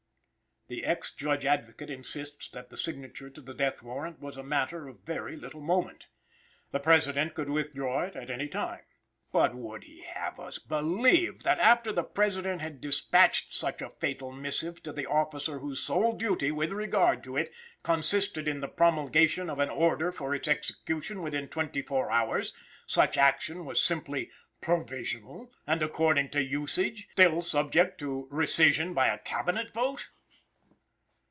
The ex Judge Advocate insists that the signature to the death warrant was a matter of very little moment. The President could withdraw it at any time. But would he have us believe that, after the President had dispatched such a fatal missive to the officer whose sole duty, with regard to it, consisted in the promulgation of an order for its execution within twenty four hours, such action was simply provisional and, according to usage, still subject to rescission by a Cabinet vote?